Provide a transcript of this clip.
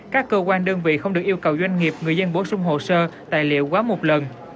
các cơ quan đơn vị không được yêu cầu doanh nghiệp người dân bổ sung hồ sơ tài liệu quá một lần